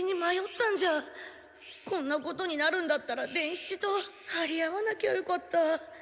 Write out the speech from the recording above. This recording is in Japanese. こんなことになるんだったら伝七とはり合わなきゃよかった。